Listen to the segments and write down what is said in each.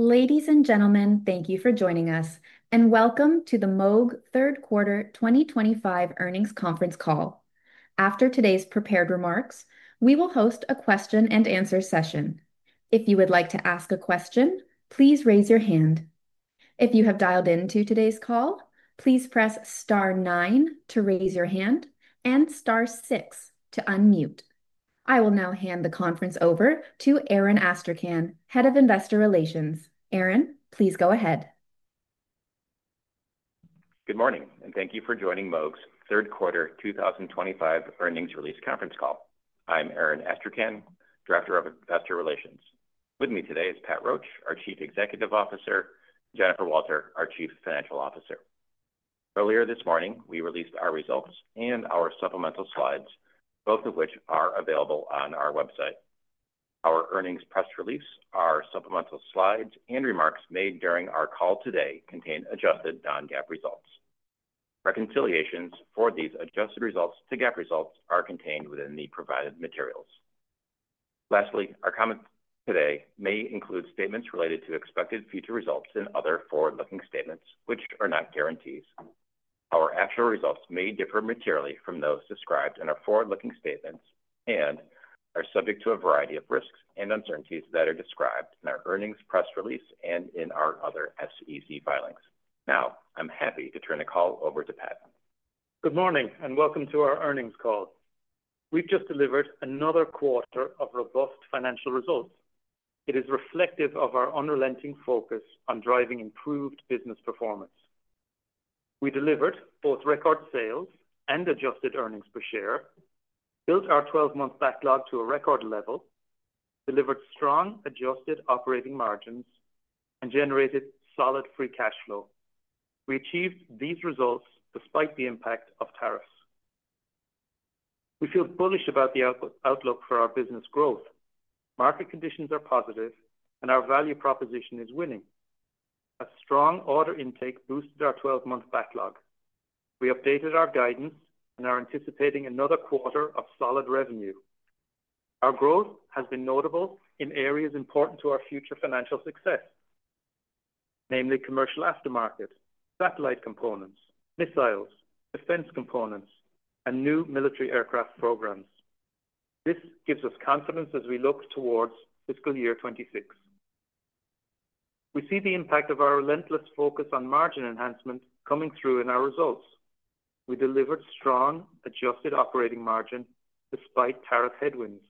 Ladies and gentlemen, thank you for joining us, and welcome to the MOG Third Quarter twenty twenty five Earnings Conference Call. After today's prepared remarks, we will host a question and answer session. I will now hand the conference over to Aaron Astercan, Head of Investor Relations. Aaron, please go ahead. Good morning, and thank you for joining Moog's third quarter twenty twenty five earnings release conference call. I'm Aaron Estrachan, Director of Investor Relations. With me today is Pat Roche, our Chief Executive Officer Jennifer Walter, our Chief Financial Officer. Earlier this morning, we released our results and our supplemental slides, both of which are available on our website. Our earnings press release, our supplemental slides and remarks made during our call today contain adjusted non GAAP results. Reconciliations for these adjusted results to GAAP results are contained within the provided materials. Lastly, our comments today may include statements related to expected future results and other forward looking statements, which are not guarantees. Our actual results may differ materially from those described in our forward looking statements and are subject to a variety of risks and uncertainties that are described in our earnings press release and in our other SEC filings. Now I'm happy to turn the call over to Pat. Good morning, and welcome to our earnings call. We've just delivered another quarter of robust financial results. It is reflective of our unrelenting focus on driving improved business performance. We delivered both record sales and adjusted earnings per share, built our twelve month backlog to a record level, delivered strong adjusted operating margins and generated solid free cash flow. We achieved these results despite the impact of tariffs. We feel bullish about the outlook for our business growth. Market conditions are positive, and our value proposition is winning. A strong order intake boosted our twelve month backlog. We updated our guidance and are anticipating another quarter of solid revenue. Our growth has been notable in areas important to our future financial success, namely commercial aftermarket, satellite components, missiles, defense components and new military aircraft programs. This gives us confidence as we look towards fiscal year twenty twenty six. We see the impact of our relentless focus on margin enhancement coming through in our results. We delivered strong adjusted operating margin despite tariff headwinds.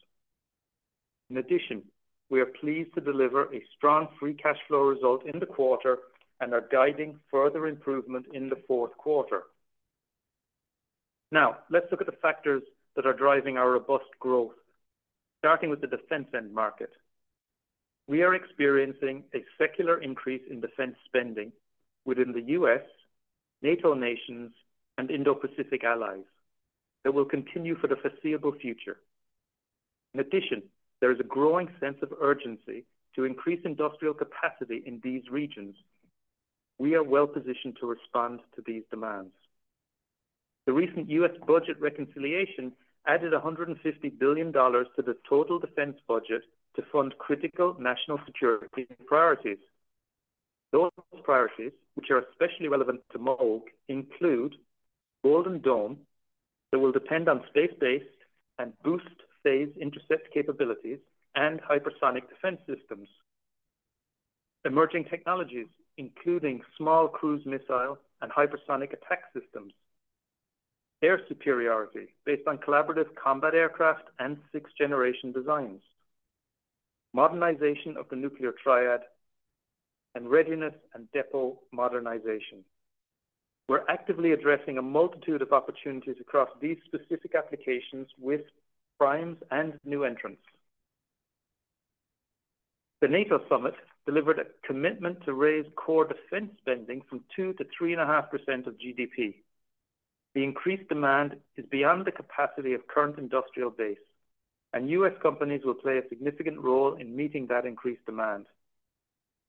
In addition, we are pleased to deliver a strong free cash flow result in the quarter and are guiding further improvement in the fourth quarter. Now let's look at the factors that are driving our robust growth, starting with the defense end market. We are experiencing a secular increase in defense spending within The U. S, NATO nations and Indo Pacific allies that will continue for the foreseeable future. In addition, there is a growing sense of urgency to increase industrial capacity in these regions. We are well positioned to respond to these demands. The recent U. S. Budget reconciliation added $150,000,000,000 to the total defense budget to fund critical national security priorities. Those priorities, which are especially relevant to MOG, include Golden Dome that will depend on space based and boost phase intercept capabilities and hypersonic defense systems emerging technologies, including small cruise missile and hypersonic attack systems air superiority based on collaborative combat aircraft and sixth generation designs, modernization of the nuclear triad, and readiness and depot modernization. We're actively addressing a multitude of opportunities across these specific applications with primes and new entrants. The NATO Summit delivered a commitment to raise core defense spending from 2% to 3.5% of GDP. The increased demand is beyond the capacity of current industrial base, and U. S. Companies will play a significant role in meeting that increased demand.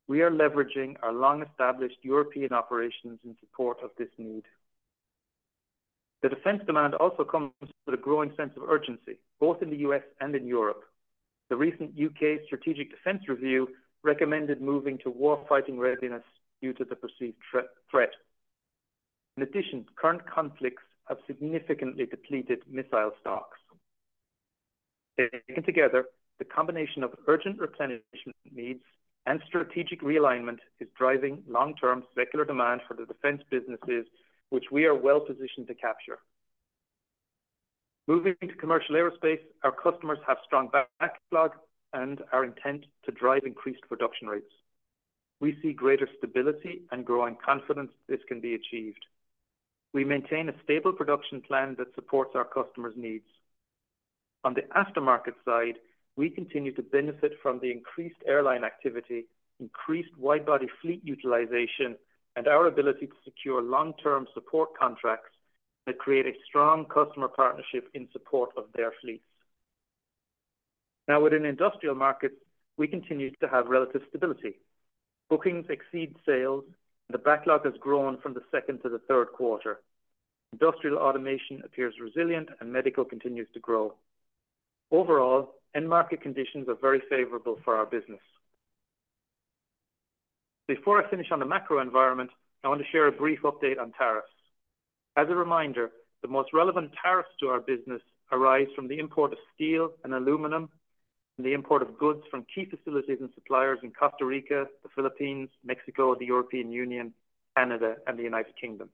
We are leveraging our long established European operations in support of this need. The defense demand also comes with a growing sense of urgency, both in The US and in Europe. The recent UK strategic defense review recommended moving to war fighting readiness due to the perceived threat. In addition, current conflicts have significantly depleted missile stocks. Taken together, the combination of urgent replenishment needs and strategic realignment is driving long term secular demand for the defense businesses, which we are well positioned to capture. Moving to Commercial Aerospace. Our customers have strong backlog and our intent to drive increased production rates. We see greater stability and growing confidence this can be achieved. We maintain a stable production plan that supports our customers' needs. On the aftermarket side, we continue to benefit from the increased airline activity, increased wide body fleet utilization and our ability to secure long term support contracts that create a strong customer partnership in support of their fleets. Now within Industrial Markets, we continue to have relative stability. Bookings exceed sales, and the backlog has grown from the second to the third quarter. Industrial Automation appears resilient, and Medical continues to grow. Overall, end market conditions are very favorable for our business. Before I finish on the macro environment, I want to share a brief update on tariffs. As a reminder, the most relevant tariffs to our business arise from the import of steel and aluminum and the import of goods from key facilities and suppliers in Costa Rica, The Philippines, Mexico, the European Union, Canada and The United Kingdom.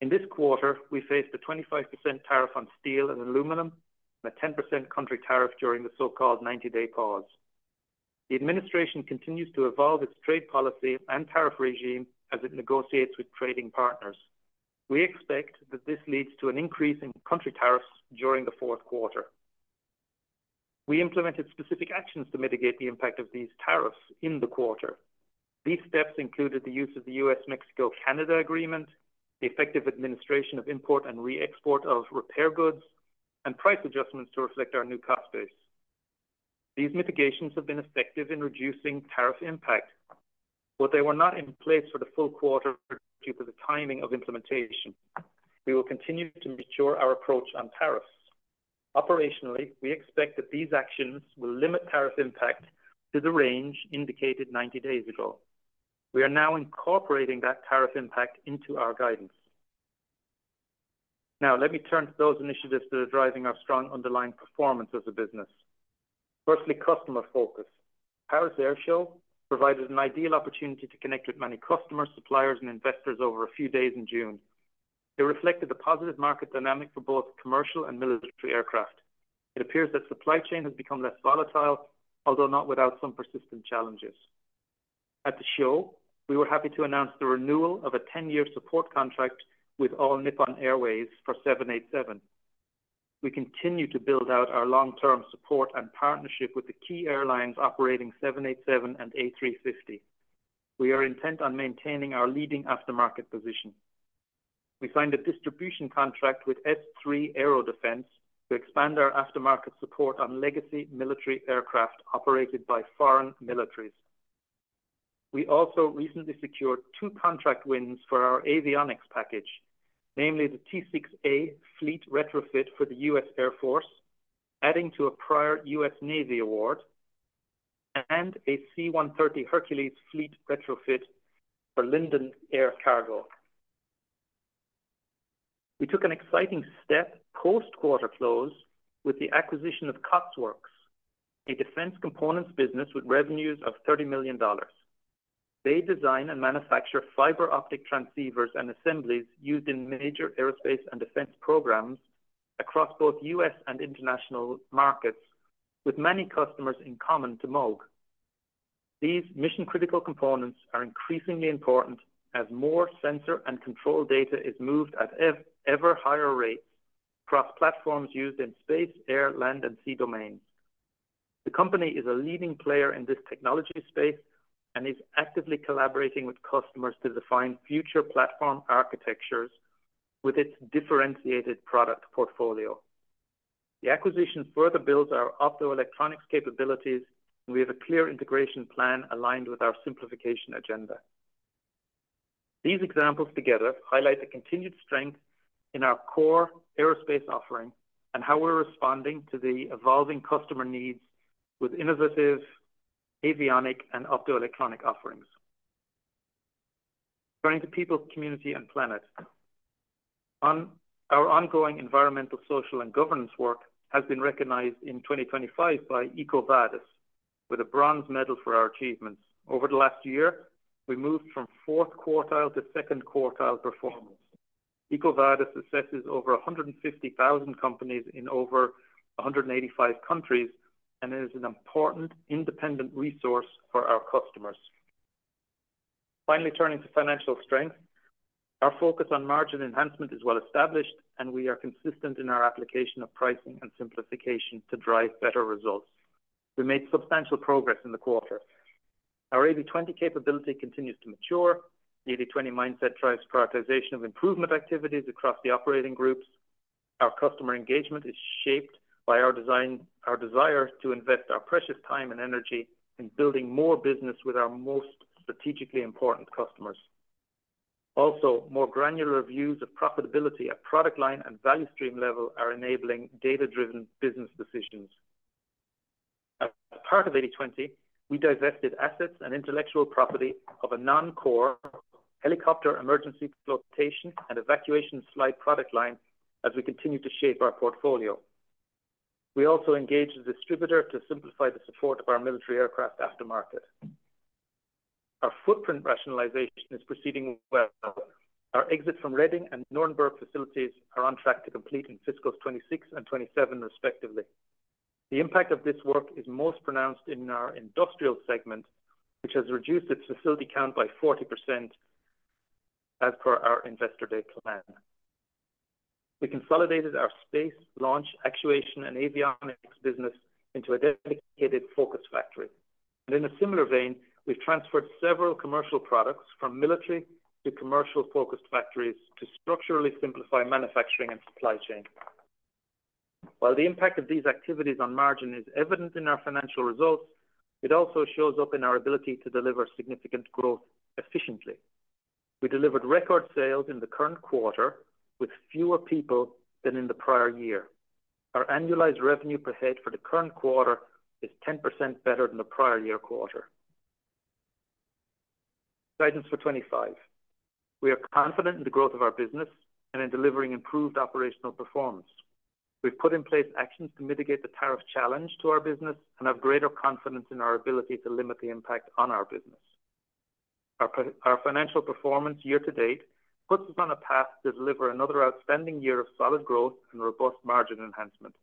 In this quarter, we faced a 25% tariff on steel and aluminum and a 10% country tariff during the so called ninety day pause. The administration continues to evolve its trade policy and tariff regime as it negotiates with trading partners. We expect that this leads to an increase in country tariffs during the fourth quarter. We implemented specific actions to mitigate the impact of these tariffs in the quarter. These steps included the use of The U. S.-Mexico Canada agreement, effective administration of import and re export of repair goods and price adjustments to reflect our new cost base. These mitigations have been effective in reducing tariff impact, but they were not in place for the full quarter due to the timing of implementation. We will continue to mature our approach on tariffs. Operationally, we expect that these actions will limit tariff impact to the range indicated ninety days ago. We are now incorporating that tariff impact into our guidance. Now let me turn to those initiatives that are driving our strong underlying performance as a business. Firstly, customer focus. Paris Air Show provided an ideal opportunity to connect with many customers, suppliers and investors over a few days in June. It reflected the positive market dynamic for both commercial and military aircraft. It appears that supply chain has become less volatile, although not without some persistent challenges. At the show, we were happy to announce the renewal of a ten year support contract with all Nippon Airways for July. We continue to build out our long term support and partnership with the key airlines operating seven eighty seven and A350. We are intent on maintaining our leading aftermarket position. We signed a distribution contract with S3 Aero Defense to expand our aftermarket support on legacy military aircraft operated by foreign militaries. We also recently secured two contract wins for our avionics package, namely the t six a fleet retrofit for the US Air Force, adding to a prior US Navy award and a C-one 130 Hercules fleet retrofit for Linden Air Cargo. We took an exciting step post quarter close with the acquisition of COTS Works, a defense components business with revenues of $30,000,000 They design and manufacture fiber optic transceivers and assemblies used in major aerospace and defense programs across both U. S. And international markets with many customers in common to MOG. These mission critical components are increasingly important as more sensor and control data is moved at ever higher rates across platforms used in space, air, land and sea domains. The company is a leading player in this technology space and is actively collaborating with customers to define future platform architectures with its differentiated product portfolio. The acquisition further builds our optoelectronics capabilities, and we have a clear integration plan aligned with our simplification agenda. These examples together highlight the continued strength in our core aerospace offering and how we're responding to the evolving customer needs with innovative avionic and optoelectronic offerings. Turning to People, Community and Planet. Our ongoing environmental, social and governance work has been recognized in 2025 by EcoVadis with a bronze medal for our achievements. Over the last year, we moved from fourth quartile to second quartile performance. EcoVadis assesses over 150,000 companies in over 185 countries and is an important independent resource for our customers. Finally, turning to financial strength. Our focus on margin enhancement is well established, and we are consistent in our application of pricing and simplification to drive better results. We made substantial progress in the quarter. Our AB20 capability continues to mature. The AB20 mindset drives prioritization of improvement activities across the operating groups. Our customer engagement is shaped by our desire to invest our precious time and energy in building more business with our most strategically important customers. Also, more granular views of profitability at product line and value stream level are enabling data driven business decisions. As part of eightytwenty, we divested assets and intellectual property of a noncore helicopter emergency flotation and evacuation slide product line as we continue to shape our portfolio. We also engaged a distributor to simplify the support of our military aircraft aftermarket. Our footprint rationalization is proceeding well. Our exit from Reading and Nuremberg facilities are on track to complete in fiscal twenty twenty six and 2027, respectively. The impact of this work is most pronounced in our Industrial segment, which has reduced its facility count by 40% as per our Investor Day plan. We consolidated our Space, Launch, Actuation and Avionics business into a dedicated focus factory. In a similar vein, we've transferred several commercial products from military to commercial focused factories to structurally simplify manufacturing and supply chain. While the impact of these activities on margin is evident in our financial results, it also shows up in our ability to deliver significant growth efficiently. We delivered record sales in the current quarter with fewer people than in the prior year. Our annualized revenue per head for the current quarter is 10% better than the prior year quarter. Guidance for '25. We are confident in the growth of our business and in delivering improved operational performance. We've put in place actions to mitigate the tariff challenge to our business and have greater confidence in our ability to limit the impact on our business. Financial performance year to date puts us on a path to deliver another outstanding year of solid growth and robust margin enhancement.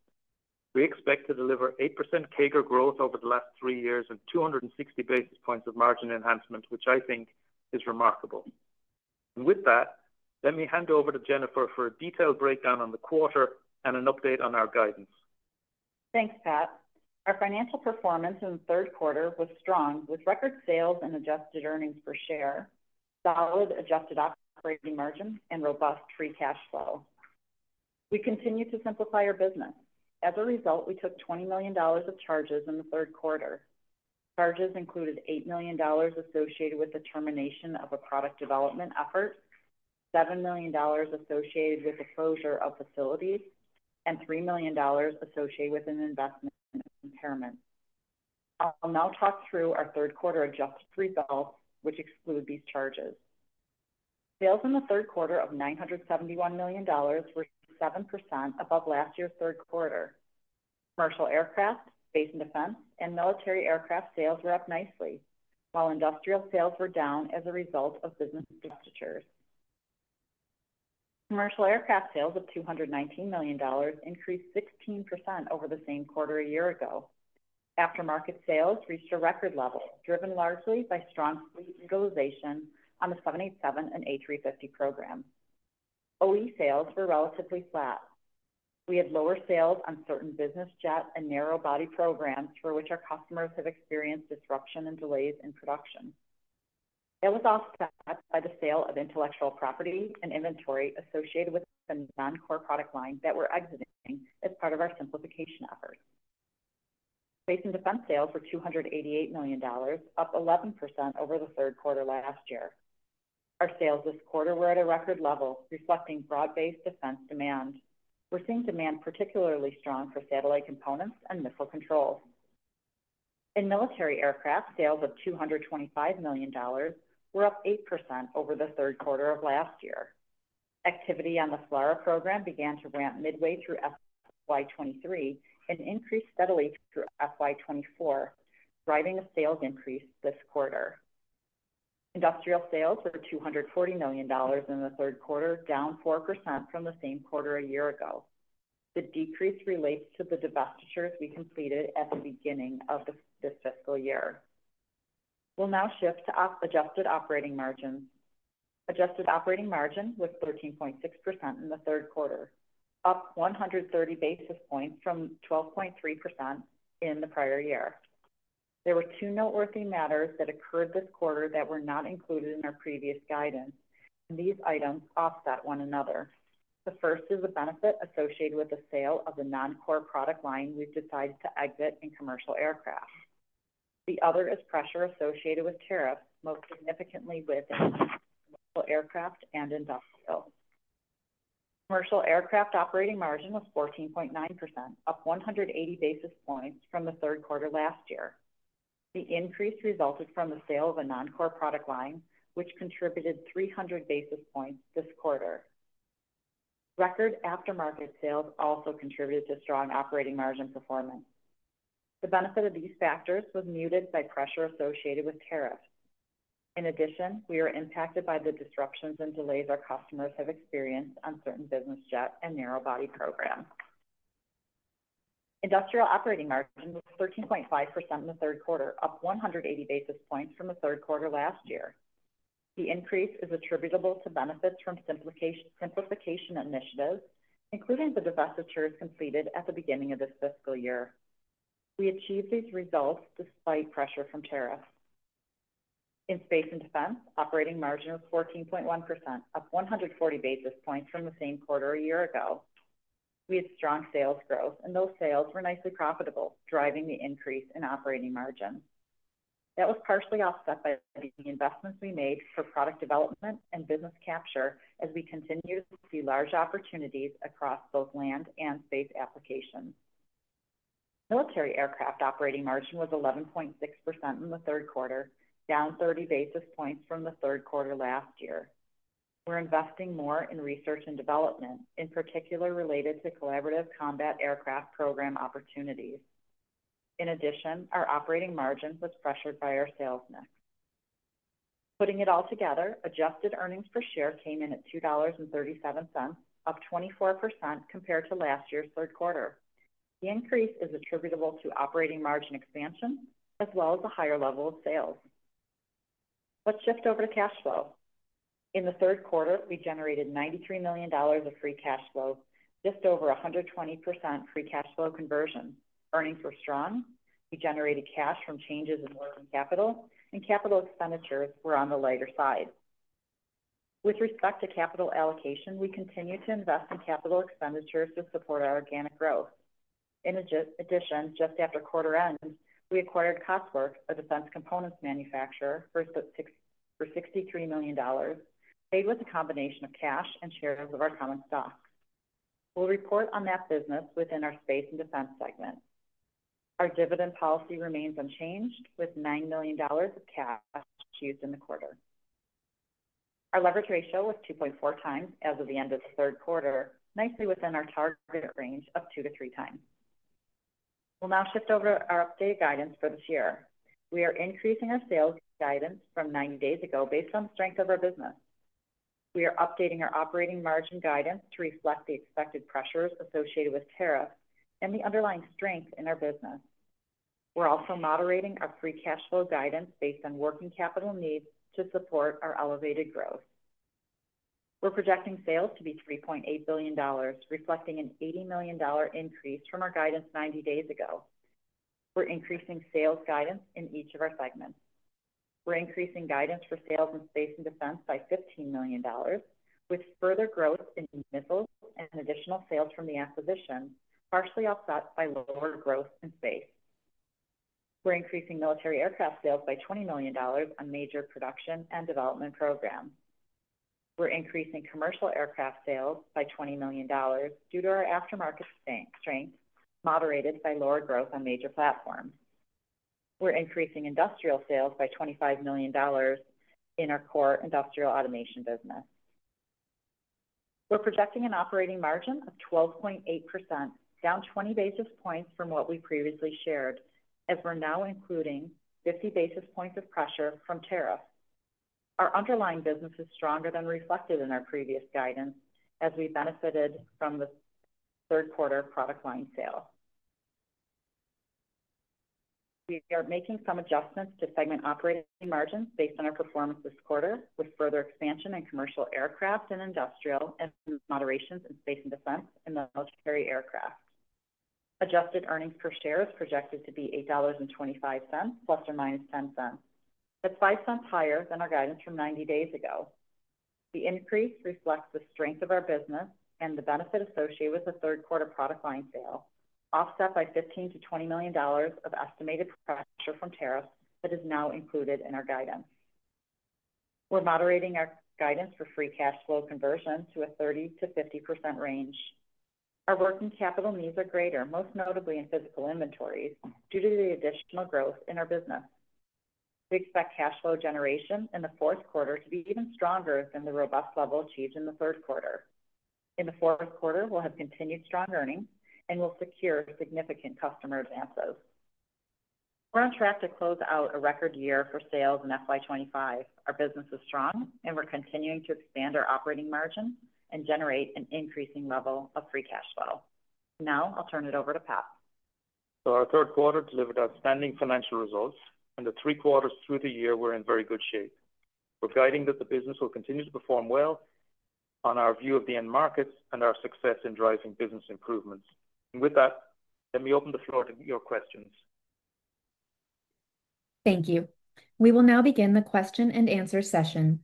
We expect to deliver 8% CAGR growth over the last three years and two sixty basis points of margin enhancement, which I think is remarkable. And with that, let me hand over to Jennifer for a detailed breakdown on the quarter and an update on our guidance. Thanks, Pat. Our financial performance in the third quarter was strong with record sales and adjusted earnings per share, solid adjusted operating margin and robust free cash flow. We continue to simplify our business. As a result, we took $20,000,000 of charges in the third quarter. Charges included $8,000,000 associated with the termination of a product development effort, dollars 7,000,000 associated with the closure of facilities and $3,000,000 associated with an investment impairment. I'll now talk through our third quarter adjusted results, which exclude these charges. Sales in the third quarter of $971,000,000 were 7% above last year's third quarter. Commercial aircraft, space and defense and military aircraft sales were up nicely, while industrial sales were down as a result of business divestitures. Commercial aircraft sales of $219,000,000 increased 16% over the same quarter a year ago. Aftermarket sales reached a record level, driven largely by strong fleet utilization on the seven eighty seven and A350 program. OE sales were relatively flat. We had lower sales on certain business jet and narrow body programs for which our customers have experienced disruption and delays in production. It was offset by the sale of intellectual property and inventory associated with the non core product line that we're exiting as part of our simplification efforts. Space and defense sales were two eighty eight million dollars up 11% over the third quarter last year. Our sales this quarter were at a record level, reflecting broad based defense demand. We're seeing demand particularly strong for satellite components and missile control. In military aircraft, sales of $225,000,000 were up eight percent over the third quarter of last year. Activity on the FLAARA program began to ramp midway through FY 2023 and increased steadily through FY 2024, driving a sales increase this quarter. Industrial sales were $240,000,000 in the third quarter, down 4% from the same quarter a year ago. The decrease relates to the divestitures we completed at the beginning of this fiscal year. We'll now shift to adjusted operating margins. Adjusted operating margin was 13.6% in the third quarter, up 130 basis points from 12.3 in the prior year. There were two noteworthy matters that occurred this quarter that were not included in our previous guidance, and these items offset one another. The first is the benefit associated with the sale of the non core product line we've decided to exit in Commercial Aircraft. The other is pressure associated with tariffs, most significantly with aircraft and industrial. Commercial Aircraft operating margin was 14.9%, up 180 basis points from the third quarter last year. The increase resulted from the sale of a non core product line, which contributed 300 basis points this quarter. Record aftermarket sales also contributed to strong operating margin performance. The benefit of these factors was muted by pressure associated with tariffs. In addition, we are impacted by the disruptions and delays our customers have experienced on certain business jet and narrow body programs. Industrial operating margin was 13.5% in the third quarter, up 180 basis points from the third quarter last year. The increase is attributable to benefits from simplification initiatives, including the divestitures completed at the beginning of this fiscal year. We achieved these results despite pressure from tariffs. In Space and Defense, operating margin was 14.1%, up 140 basis points from the same quarter a year ago. We had strong sales growth and those sales were nicely profitable, driving the increase in operating margin. That was partially offset by the investments we made for product development and business capture as we continue to see large opportunities across both land and space applications. Military aircraft operating margin was 11.6% in the third quarter, down 30 basis points from the third quarter last year. We're investing more in research and development, in particular related to collaborative combat aircraft program opportunities. In addition, our operating margin was pressured by our sales mix. Putting it all together, adjusted earnings per share came in at $2.37 up 24% compared to last year's third quarter. The increase is attributable to operating margin expansion as well as a higher level of sales. Let's shift over to cash flow. In the third quarter, we generated $93,000,000 of free cash flow, just over 120% free cash flow conversion. Earnings were strong. We generated cash from changes in working capital, and capital expenditures were on the lighter side. With respect to capital allocation, we continue to invest in capital expenditures to support our organic growth. In addition, just after quarter end, we acquired Costworks, manufacturer, for $63,000,000 paid with a combination of cash and shares of our common stock. We'll report on that business within our Space and Defense segment. Our dividend policy remains unchanged with $9,000,000 of cash used in the quarter. Our leverage ratio was 2.4 times as of the end of the third quarter, nicely within our targeted range of two to three times. We'll now shift over to our updated guidance for this year. We are increasing our sales guidance from ninety days ago based on strength of our business. We are updating our operating margin guidance to reflect the expected pressures associated with tariffs and the underlying strength in our business. We're also moderating our free cash flow guidance based on working capital needs to support our elevated growth. We're projecting sales to be $3,800,000,000 reflecting an $80,000,000 increase from our guidance ninety days ago. We're increasing sales guidance in each of our segments. We're increasing guidance for sales in Space and Defense by $15,000,000 with further growth in missile and additional sales from the acquisition, partially offset by lower growth in Space. We're increasing military aircraft sales by $20,000,000 on major production and development programs. We're increasing commercial aircraft sales by $20,000,000 due to our aftermarket strength moderated by lower growth on major platforms. We're increasing industrial sales by $25,000,000 in our core Industrial Automation business. We're projecting an operating margin of 12.8, down 20 basis points from what we previously shared as we're now including 50 basis points of pressure from tariffs. Our underlying business is stronger than reflected in our previous guidance as we benefited from the third quarter product line sale. We are making some adjustments to segment operating margins based on our performance this quarter with further expansion in Commercial Aircraft and Industrial and some moderation in Space and Defense and Military Aircraft. Adjusted earnings per share is projected to be $8.25 plus or minus $0.10 That's $05 higher than our guidance from ninety days ago. The increase reflects the strength of our business and the benefit associated with the third quarter product line sale, offset by $15,000,000 to $20,000,000 of estimated pressure from tariffs that is now included in our guidance. We're moderating our guidance for free cash flow conversion to a 30% to 50% range. Our working capital needs are greater, most notably in physical inventories due to the additional growth in our business. We expect cash flow generation in the fourth quarter to be even stronger than the robust level achieved in the third quarter. In the fourth quarter, we'll have continued strong earnings and will secure significant customer advances. We're on track to close out a record year for sales in FY 2025. Our business is strong and we're continuing to expand our operating margin and generate an increasing level of free cash flow. Now I'll turn it over to Pat. So our third quarter delivered outstanding financial results, and the three quarters through the year were in very good shape. We're guiding that the business will continue to perform well on our view of the end markets and our success in driving business improvements. And with that, let me open the floor to your questions. Thank you. We will now begin the question and answer session.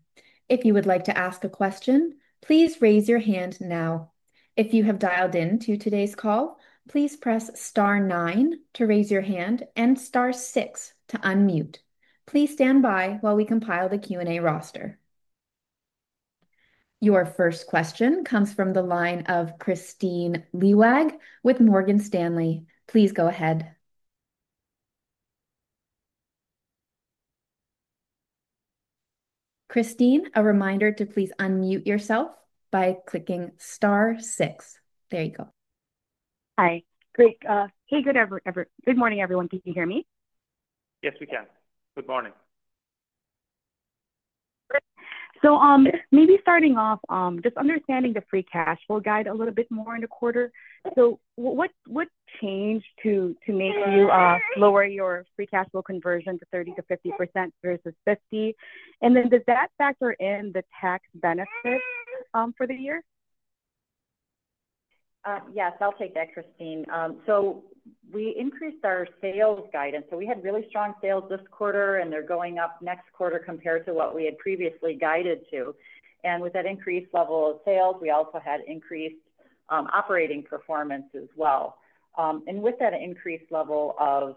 Your first question comes from the line of Christine Lewag with Morgan Stanley. Please go ahead. Christine, a reminder to please unmute yourself by clicking star six. There you go. Hi. Great. Hey. Good ever ever good morning, everyone. Can you hear me? Yes. We can. Good morning. So maybe starting off, just understanding the free cash flow guide a little bit more in the quarter. So what changed to make you lower your free cash flow conversion to 30% to 50% versus 50%? And then does that factor in the tax benefit for the year? Yes. I'll take that, Christine. So we increased our sales guidance. So we had really strong sales this quarter, and they're going up next quarter compared to what we had previously guided to. And with that increased level of sales, we also had increased operating performance as well. And with that increased level of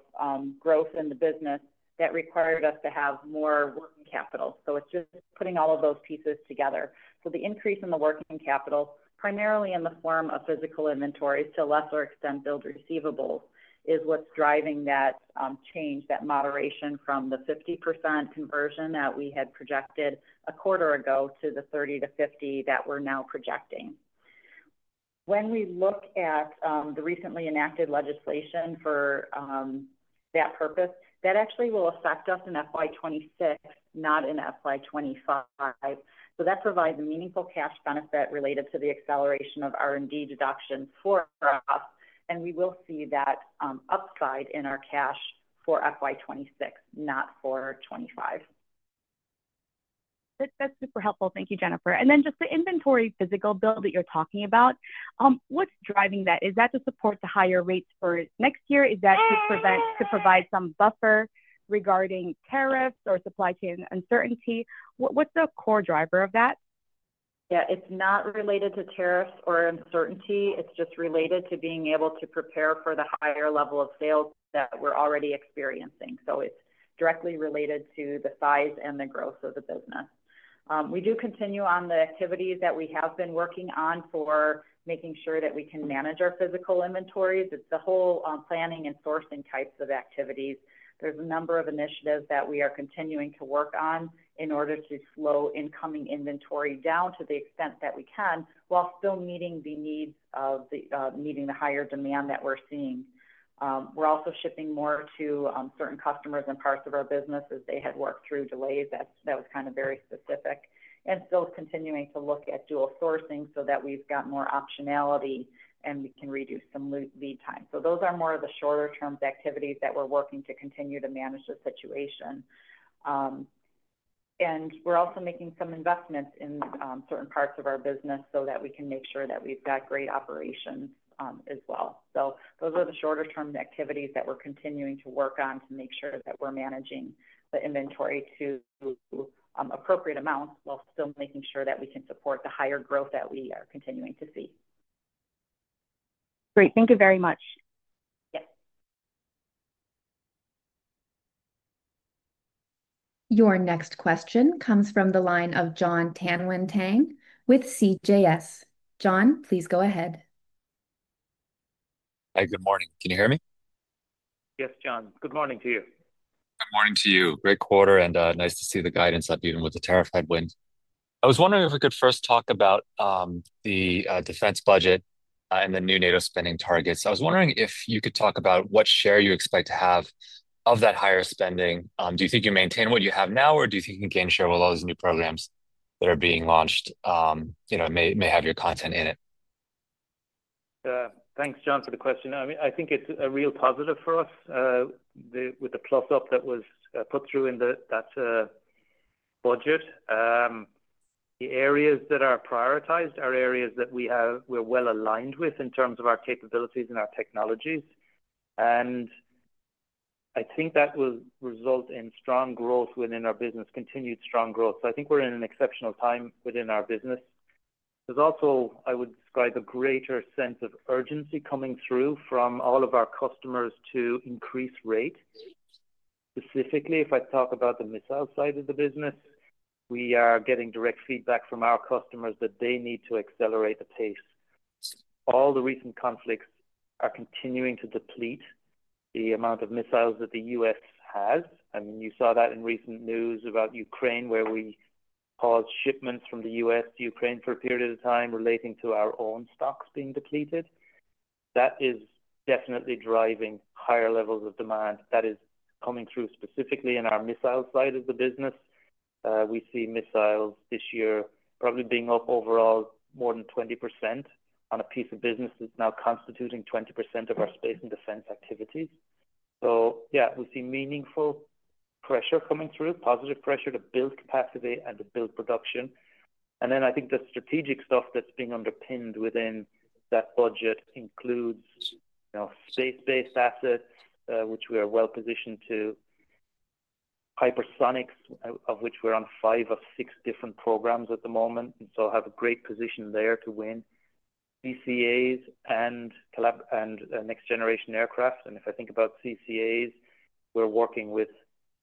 growth in the business, that required us to have more working capital. So it's just putting all of those pieces together. So the increase in the working capital, primarily in the form of physical inventories, to a lesser extent, billed receivables, is what's driving that change, that moderation from the 50% conversion that we had projected a quarter ago to the 30% to 50% that we're now projecting. When we look at the recently enacted legislation for that purpose, that actually will affect us in FY 2026, not in FY 2025. So that provides a meaningful cash benefit related to the acceleration of R and D deductions for us, and we will see that upside in our cash for FY 2026, not for 2025. That's super helpful. Thank you, Jennifer. And then just the inventory physical bill that you're talking about, what's driving that? Is that to support the higher rates for next year? Is that to prevent to provide some buffer regarding tariffs or supply chain uncertainty? What's the core driver of that? Yes. It's not related to tariffs or uncertainty. It's just related to being able to prepare for the higher level of sales that we're already experiencing. So it's directly related to the size and the growth of the business. We do continue on the activities that we have been working on for making sure that we can manage our physical inventories. It's the whole planning and sourcing types of activities. There's a number of initiatives that we are continuing to work on in order to slow incoming inventory down to the extent that we can while still meeting the needs of the meeting the higher demand that we're seeing. We're also shipping more to certain customers and parts of our business as they had worked through delays. That was kind of very specific. And still continuing to look at dual sourcing so that we've got more optionality and we can reduce some lead time. So those are more of the shorter term activities that we're working to continue to manage the situation. And we're also making some investments in certain parts of our business so that we can make sure that we've got great operations as well. So those are the shorter term activities that we're continuing to work on to make sure that we're managing the inventory to appropriate amounts while still making sure that we can support the higher growth that we are continuing to see. Great. Thank you very much. Yes. Your next question comes from the line of John Tanwanteng with CJS. John, please go ahead. Hi. Good morning. Can you hear me? Yes, John. Good morning to you. Good morning to you. Great quarter, and, nice to see the guidance up even with the tariff headwind. I was wondering if we could first talk about, the, defense budget and the new NATO spending targets. I was wondering if you could talk about what share you expect to have of that higher spending. Do you think you maintain what you have now, or do you think you can gain share with all those new programs that are being launched, you know, may may have your content in it? Thanks, John, for the question. I mean, I think it's a real positive for us with the plus up that was put through in that budget. The areas that are prioritized are areas that we have we're well aligned with in terms of our capabilities and our technologies. And I think that will result in strong growth within our business, continued strong growth. So I think we're in an exceptional time within our business. There's also, I would describe, a greater sense of urgency coming through from all of our customers to increase rate. Specifically, if I talk about the missile side of the business, we are getting direct feedback from our customers that they need to accelerate the pace. All the recent conflicts are continuing to deplete the amount of missiles that The US has. I mean, you saw that in recent news about Ukraine where we paused shipments from The US to Ukraine for a period of time relating to our own stocks being depleted. That is definitely driving higher levels of demand. That is coming through specifically in our missile side of the business. We see missiles this year probably being up overall more than 20% on a piece of business that's now constituting 20% of our space and defense activities. So yes, we see meaningful pressure coming through, positive pressure to build capacity and to build production. And then I think the strategic stuff that's being underpinned within that budget includes, you know, state based assets, which we are well positioned to hypersonics, of which we're on five of six different programs at the moment, and so have a great position there to win CCAs and next generation aircraft. And if I think about CCAs, we're working with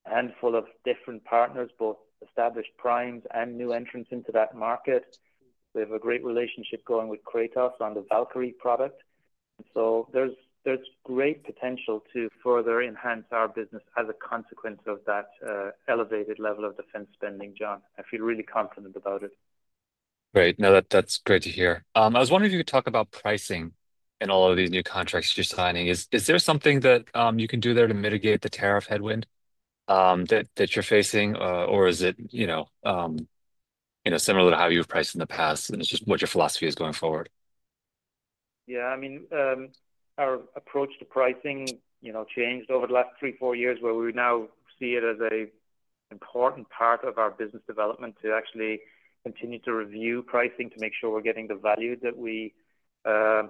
a handful of different partners, both established primes and new entrants into that market. We have a great relationship going with Kratos on the Valkyrie product. So there's great potential to further enhance our business as a consequence of that elevated level of defense spending, John. I feel really confident about it. Great. No. That that's great to hear. I was wondering if you could talk about pricing in all of these new contracts you're signing. Is is there something that you can do there to mitigate the tariff headwind that that you're facing? Or is it similar to how you've priced in the past? And it's just what your philosophy is going forward. Yeah. I mean, our approach to pricing you know, changed over the last three, four years where we now see it as a important part of our business development to actually continue to review pricing to make sure we're getting the value that we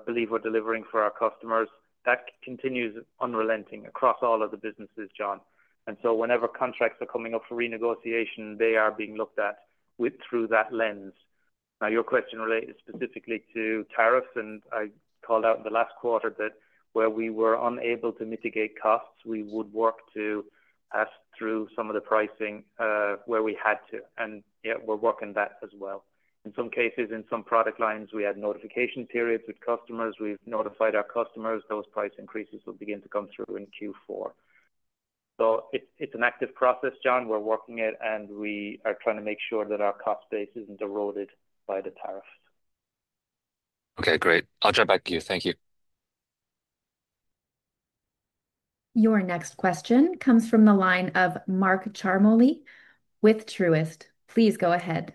believe we're delivering for our customers, that continues unrelenting across all of the businesses, John. And so whenever contracts are coming up for renegotiation, they are being looked at with through that lens. Now your question relates specifically to tariffs, and I called out in the last quarter that where we were unable to mitigate costs, we would work to pass through some of the pricing where we had to. And yes, we're working that as well. In some cases, in some product lines, we had notification periods with customers. We've notified our customers those price increases will begin to come through in Q4. So it's an active process, John. We're working it, and we are trying to make sure that our cost base isn't eroded by the tariffs. Okay, great. I'll jump back in queue. Thank you. Your next question comes from the line of Mark Ciarmoli with Truist. Please go ahead.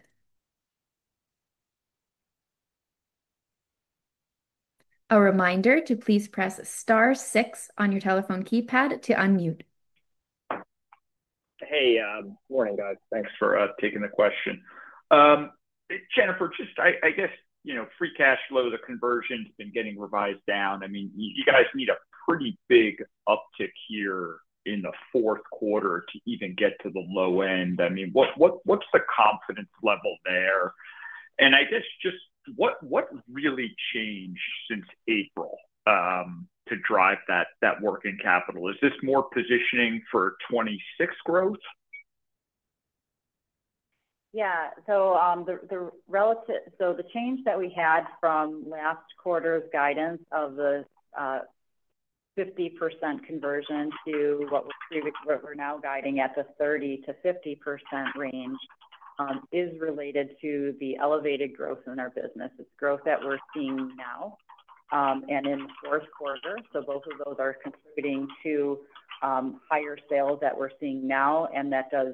Good morning, guys. Thanks for taking the question. Jennifer, just I I guess, you know, free cash flow, the conversion has been getting revised down. I mean, you you guys need a pretty big uptick here in the fourth quarter to even get to the low end. I mean, what what what's the confidence level there? And I guess just what what really changed since April, to drive that that working capital? Is this more positioning for '26 growth? Yes. So the so the change that we had from last quarter's guidance of the 50% conversion to what was previously what we're now guiding at the 30% to 50% range is related to the elevated growth in our business. It's growth that we're seeing now and in the fourth quarter. So both of those are contributing to higher sales that we're seeing now, and that does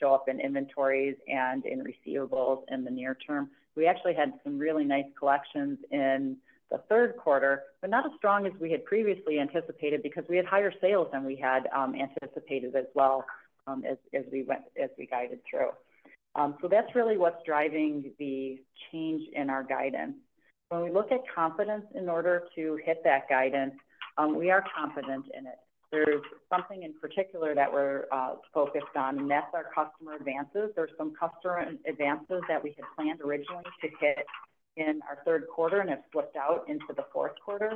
show up in inventories receivables in the near term. We actually had some really nice collections in the third quarter, but not as strong as we had previously anticipated because we had higher sales than we had anticipated as well as we went as we guided through. So that's really what's driving the change in our guidance. When we look at confidence in order to hit that guidance, we are confident in it. There's something in particular that we're focused on, and that's our customer advances. There's some customer advances that we had planned originally to hit in our third quarter and have slipped out into the fourth quarter.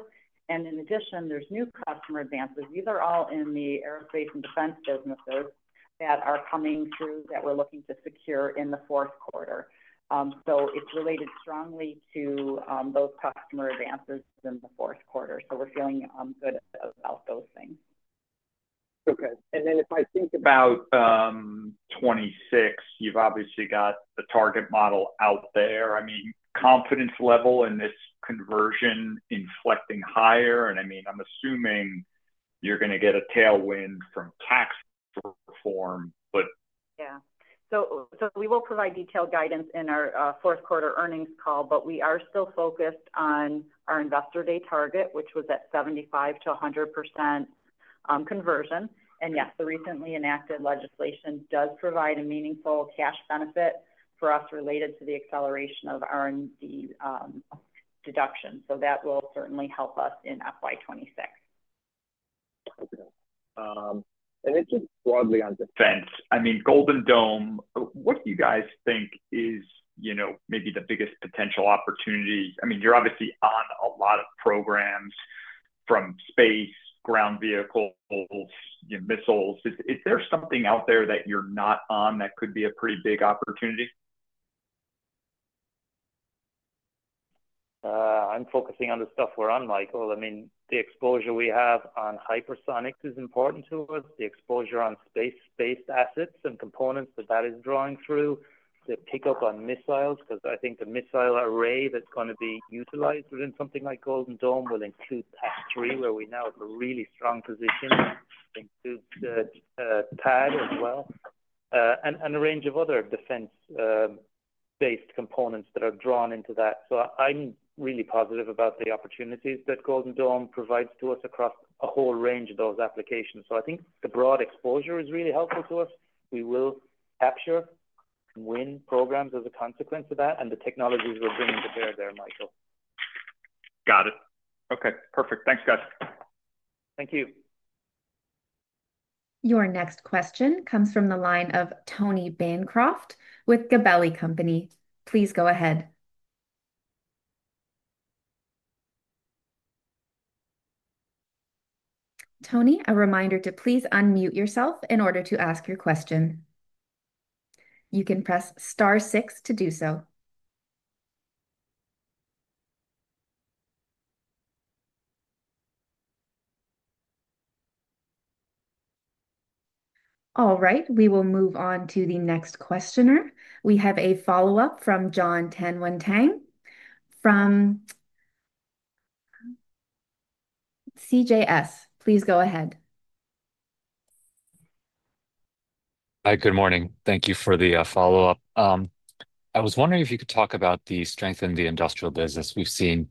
And in addition, there's new customer advances. These are all in the aerospace and defense businesses that are coming through that we're looking to secure in the fourth quarter. So it's related strongly to those customer advances in the fourth quarter. So we're feeling good about those things. Okay. And then if I think about '26, you've obviously got the target model out there. I mean, confidence level in this conversion inflecting higher. And, I mean, I'm assuming you're going to get a tailwind from tax reform. But Yes. So we will provide detailed guidance in our fourth quarter earnings call, but we are still focused on our Investor Day target, which was at 75% to 100% conversion. And yes, the recently enacted legislation does provide a meaningful cash benefit for us related to the acceleration of R and D deductions. So that will certainly help us in FY 'twenty six. Okay. Then just broadly on defense. I mean, Golden Dome, what do you guys think is, you know, maybe the biggest potential opportunity? I mean, you're obviously on a lot of programs from space, ground vehicles, missiles. Is is there something out there that you're not on that could be a pretty big opportunity? I'm focusing on the stuff we're on, Michael. I mean, the exposure we have on hypersonics is important to us. The exposure on space based assets and components that that is drawing through, the pickup on missiles, because I think the missile array that's gonna be utilized within something like Golden Dome will include PAC 3 where we now have a really strong position, includes the TAD as well, and and a range of other defense based components that are drawn into that. So I'm really positive about the opportunities that Golden Dawn provides to us across a whole range of those applications. So I think the broad exposure is really helpful to us. We will capture and win programs as a consequence of that and the technologies we're bringing to bear there, Michael. Your next question comes from the line of Tony Bancroft with Gabelli Company. Please go ahead. Tony, a reminder to please unmute yourself in order to ask your question. You can press 6 to do so. All right. We will move on to the next questioner. We have a follow-up from John Tanwanteng from CJS. Please go ahead. Hi. Good morning. Thank you for the follow-up. I was wondering if you could talk about the strength in the industrial business. We've seen,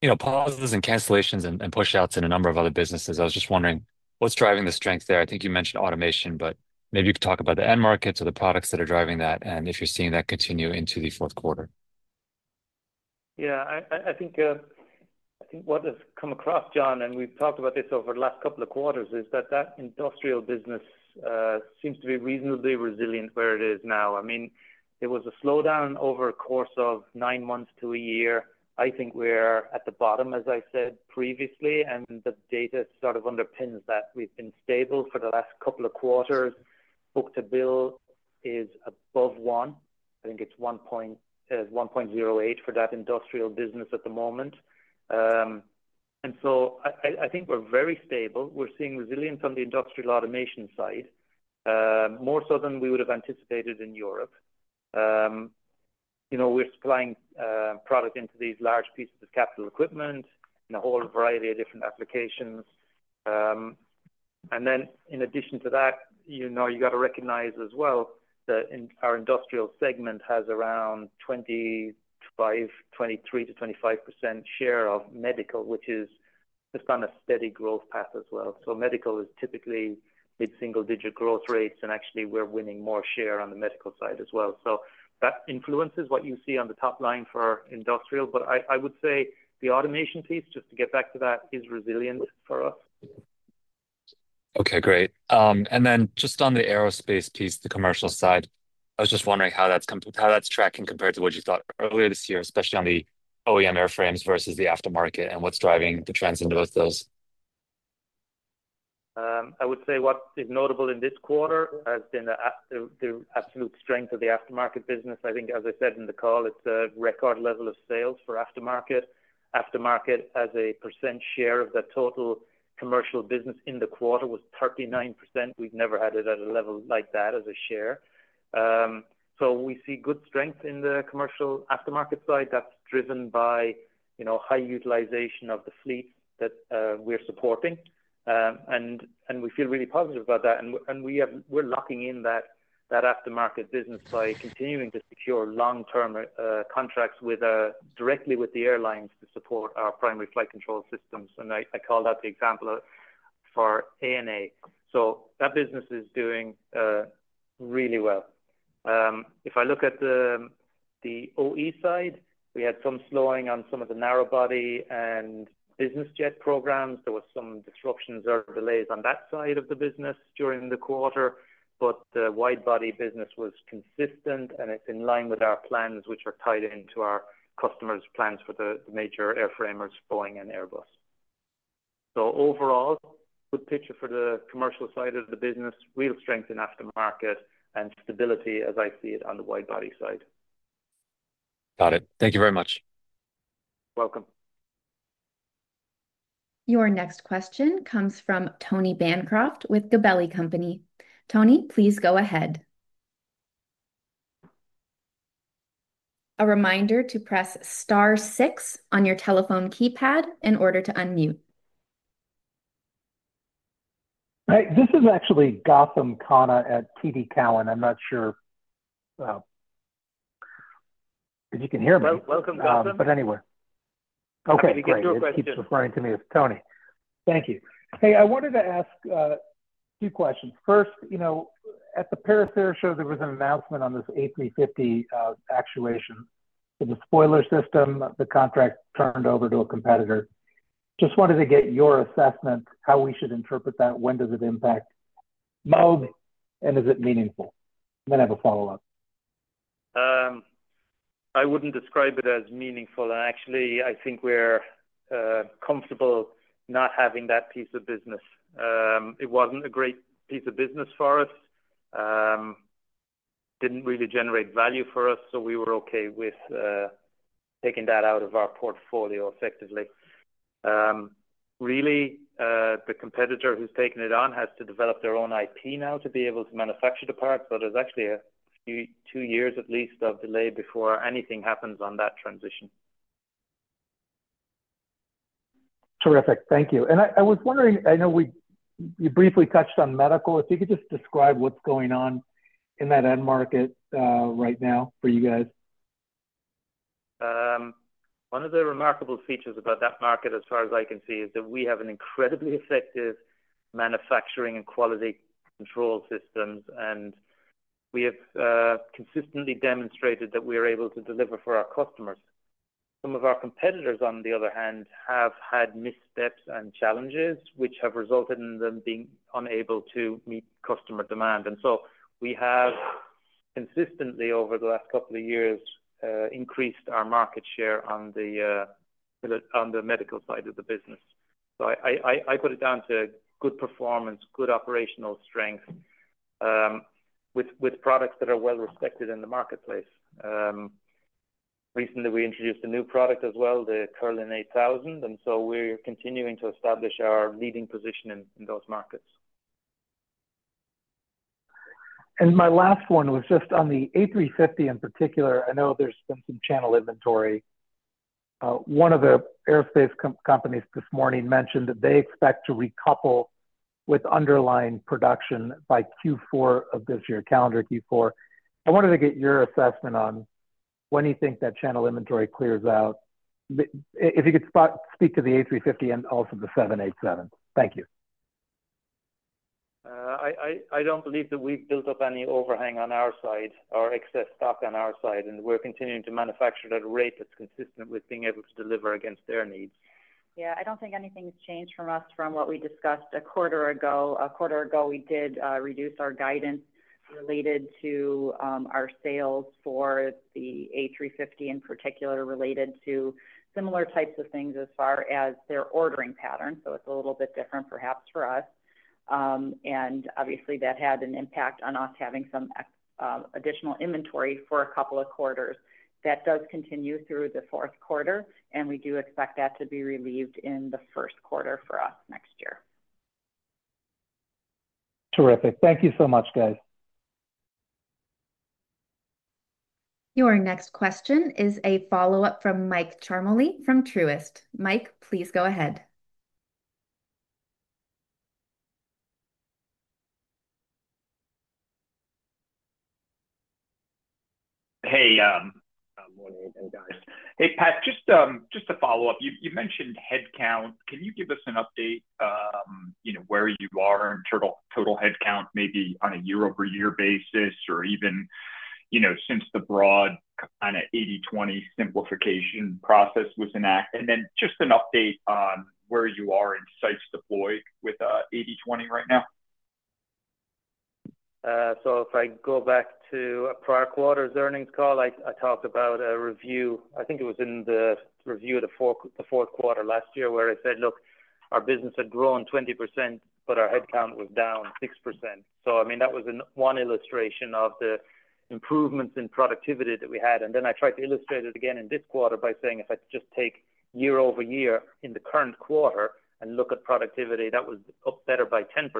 you know, pauses and cancellations and and push outs in a number of other businesses. I was just wondering what's driving the strength there. I think you mentioned automation, but maybe you could talk about the end markets or the products that are driving that and if you're seeing that continue into the fourth quarter. Yes. I think what has come across, John, and we've talked about this over the last couple of quarters, is that, that industrial business seems to be reasonably resilient where it is now. I mean, it was a slowdown over a course of nine months to a year. I think we're at the bottom, as I said previously, and the data sort of underpins that. We've been stable for the last couple of quarters. Book to bill is above one. I think it's 1.08 for that industrial business at the moment. And so I think we're very stable. We're seeing resilience on the industrial automation side, more so than we would have anticipated in Europe. We're supplying product into these large pieces of capital equipment in a whole variety of different applications. And then in addition to that, you've to recognize as well that our industrial segment has around 2523% to 25 share of Medical, which is just on a steady growth path as well. So Medical is typically mid single digit growth rates, and actually, we're winning more share on the Medical side as well. So that influences what you see on the top line for industrial. But I would say the automation piece, just to get back to that, is resilient for us. Okay. Great. And then just on the aerospace piece, the commercial side, I just wondering how that's how that's tracking compared to what you thought earlier this year, especially on the OEM airframes versus the aftermarket and what's driving the trends in both those? I would say what is notable in this quarter has been the absolute strength of the aftermarket business. I think, as I said in the call, it's a record level of sales for aftermarket. Aftermarket as a percent share of the total commercial business in the quarter was 39%. We've never had it at a level like that as a share. So we see good strength in the commercial aftermarket side. That's driven by high utilization of the fleet that we're supporting, and we feel really positive about that. And we have we're locking in that aftermarket business by continuing to secure long term contracts with directly with the airlines to support our primary flight control systems, and I I call that the example for ANA. So that business is doing really well. If I look at the OE side, we had some slowing on some of the narrow body and business jet programs. There were some disruptions or delays on that side of the business during the quarter, but the widebody business was consistent, and it's in line with our plans, which are tied into our customers' plans for the major airframers, Boeing and Airbus. So overall, good picture for the commercial side of the business, real strength in aftermarket and stability as I see it on the widebody side. Got it. Thank you very much. Welcome. Your next question comes from Tony Bancroft with Gabelli Company. Tony, please go ahead. Hi. This is actually Gotham Khanna at TD Cowen. I'm not sure Oh, but you can hear me. Welcome, Gotham. But anywhere. Okay. Great. Referring to me as Tony. Thank you. Hey. I wanted to ask two questions. First, you know, at the Paris Air Show, there was an announcement on this a three fifty actuation. In the spoiler system, the contract turned over to a competitor. Just wanted to get your assessment how we should interpret that. When does it impact Maui, and is it meaningful? Then I have a follow-up. I wouldn't describe it as meaningful. Actually, I think we're comfortable not having that piece of business. It wasn't a great piece of business for us. It didn't really generate value for us, so we were okay with taking that out of our portfolio effectively. Really, the competitor who's taken it on has to develop their own IP now to be able to manufacture the parts, but there's actually a few two years at least of delay before anything happens on that transition. Terrific. Thank you. And I I was wondering I know we you briefly touched on medical. If you could just describe what's going on in that end market right now for you guys. One of the remarkable features about that market, as far as I can see, is that we have an incredibly effective manufacturing and quality control systems, and we have consistently demonstrated that we are able to deliver for our customers. Some of our competitors, on the other hand, have had missteps and challenges, which have resulted in them being unable to meet customer demand. And so we have consistently, over the last couple of years increased our market share on the medical side of the business. So I put it down to good performance, good operational strength with products that are well respected in the marketplace. Recently, we introduced a new product as well, the Kearlin 8,000, and so we're continuing to establish our leading position in those markets. And my last one was just on the A350 in particular. I know there's been some channel inventory. One of the aerospace companies this morning mentioned that they expect to recouple with underlying production by Q4 of this year, calendar Q4. I wanted to get your assessment on when you think that channel inventory clears out. If you could spot speak to the A350 and also the seven eighty seven. I don't believe that we've built up any overhang on our side or excess stock on our side, and we're continuing to manufacture at a rate that's consistent with being able to deliver against their needs. Yes. I don't think anything has changed from us from what we discussed a quarter quarter ago, we did reduce our guidance related to our sales for the A350, in particular, related to similar types of things as far as their ordering pattern. So it's a little bit different perhaps for us. And obviously, that had an impact on us having some additional inventory for a couple of quarters. That does continue through the fourth quarter, and we do expect that to be relieved in the first quarter for us next year. Terrific. Thank you so much, guys. Your next question is a follow-up from Mike Charmele from Truist. Mike, please go ahead. Hey, Pat, just a follow-up. You mentioned headcount. Can you give us an update where you are in total headcount maybe on a year over year basis or even since the broad kind of eightytwenty simplification process was enacted? And then just an update on where you are in sites deployed with eightytwenty right now. So if I go back to prior quarter's earnings call, I talked about a review. I think it was in the review of the fourth the fourth quarter last year where I said, look, our business had grown 20%, but our headcount was down 6%. So I mean, that was in one illustration of the improvements in productivity that we had. And then I tried to illustrate it again in this quarter by saying if I could just take year over year in the current quarter and look at productivity, that was up better by 10%.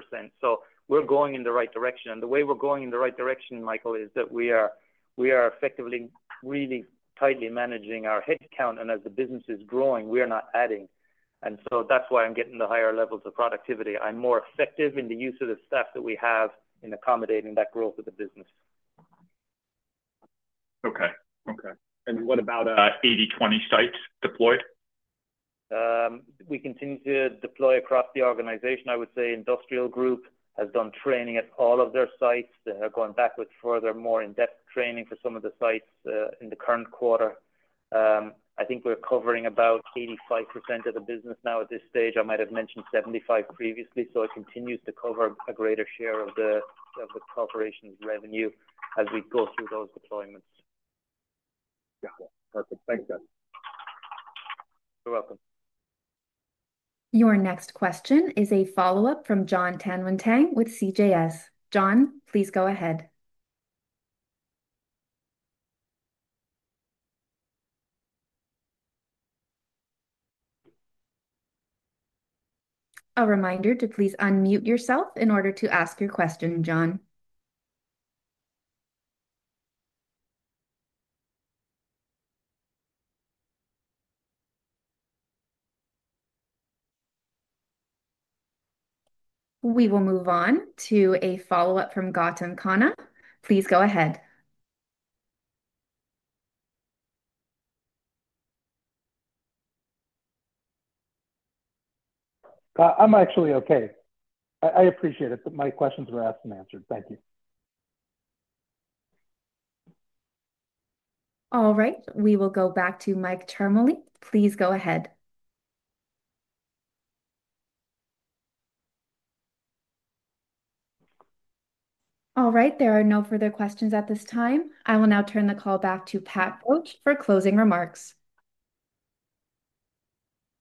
So we're going in the right direction. And the way we're going in the right direction, Michael, is that we are effectively really tightly managing our headcount. And as the business is growing, we are not adding. And so that's why I'm getting the higher levels of productivity. I'm more effective in the use of the staff that we have in accommodating that growth of the business. Okay. Okay. And what about eightytwenty sites deployed? We continue to deploy across the organization. Would say Industrial Group has done training at all of their sites. They have gone back with further more in-depth training for some of the sites in the current quarter. I think we're covering about 85% of the business now at this stage. I might have mentioned 75% previously. So it continues to cover a greater share of the corporation's revenue as we go through those deployments. Yeah. Perfect. Thanks, guys. You're welcome. Your next question is a follow-up from John Tanwanteng with CJS. John, please go ahead. A reminder to please unmute yourself in order to ask your question, John. We will move on to a follow-up from Gautam Khanna. Please go ahead. I'm actually okay. I I appreciate it. My questions were asked and answered. Thank you. Alright. We will go back to Mike Termoli. Please go ahead. All right. There are no further questions at this time. I will now turn the call back to Pat Bouch for closing remarks.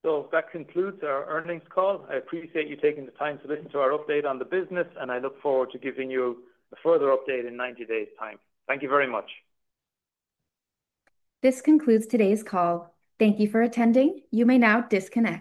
So that concludes our earnings call. I appreciate you taking the time to listen to our update on the business, and I look forward to giving you a further update in ninety days' time. Thank you very much. This concludes today's call. Thank you for attending. You may now disconnect.